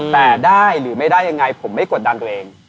แต่ได้หรือไม่ได้ยังไงผมไม่กดดันตัวเอง